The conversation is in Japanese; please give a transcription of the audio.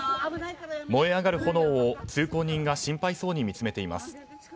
燃え上がる炎を通行人が心配そうに見つめています。